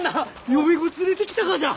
嫁御連れてきたがじゃ！？